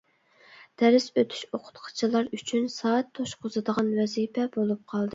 دەرس ئۆتۈش ئوقۇتقۇچىلار ئۈچۈن سائەت توشقۇزىدىغان ۋەزىپە بولۇپ قالدى.